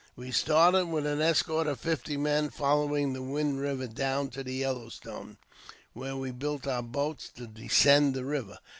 We started with an escort of fifty men, following the Wind Eiver down to the Yellow Stone, where we built our boats to descend the river.